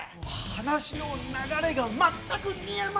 話の流れが全く見えません！